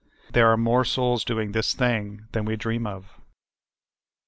There are more souls doing this thing than we dream of.